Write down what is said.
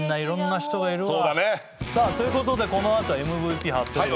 さあということでこのあとＭＶＰ発表でございます。